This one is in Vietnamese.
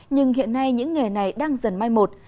nhưng hiện nay những nghề này đang dần mai một